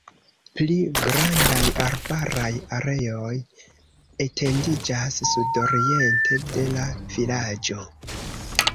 Pli grandaj arbaraj areoj etendiĝas sudoriente de la vilaĝo.